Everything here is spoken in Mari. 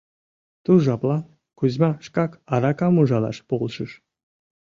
Ту жаплан Кузьма шкак аракам ужалаш полшыш.